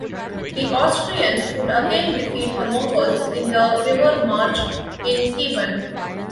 The Austrians would again defeat the Mongols in the River March in Theben.